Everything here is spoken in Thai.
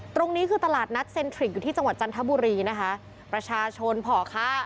ตรงนี้คือตลาดนัดเซ็นทริกอยู่ที่จังหวัดจันทบุรีนะคะประชาชนผ่อค่า